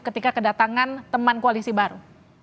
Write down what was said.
ketika kedatangan teman koalisi baru